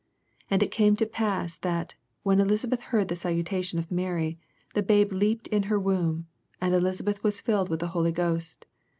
41 And it came to pass, that, when Elisabeth heard the salutation of Mary, the babe leaped in her womb ; and Elisabeth was filled with the Holy Ghost.